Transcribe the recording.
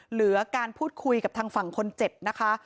เหลือการพูดคุยกับทางฝั่งคนเจ็บนะคะ